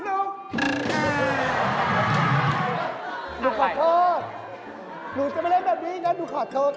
แม่งรู้สึกไปเร่งแบบนี้ก็รู้สึกก่อน